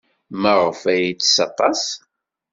Maɣef ay yettess aṭas?